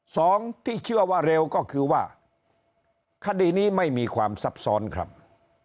สองที่เชื่อว่าเร็วก็คือว่าคดีนี้ไม่มีความซับซ้อนครับ